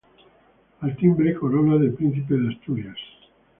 Al timbre corona de Príncipe de Asturias.